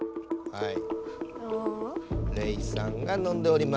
はい。